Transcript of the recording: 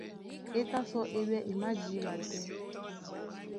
E tá sɔ́ é ɓɛ́ e májǐɓa tɛ́.